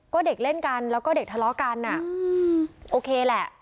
ก็เด็กเล่นกันแล้วก็เด็กทะเลาะกันโอเคแหละ